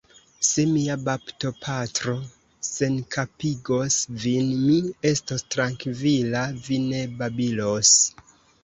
Se mia baptopatro senkapigos vin, mi estos trankvila, vi ne babilos.